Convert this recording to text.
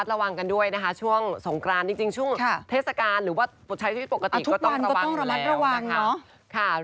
จริงช่วงสงกรานช่วงเทศการหรือว่าใช้วิธีปกติก็ต้องระวังแล้ว